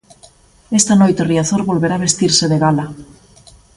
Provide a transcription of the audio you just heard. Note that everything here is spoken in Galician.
Esta noite Riazor volverá vestirse de gala.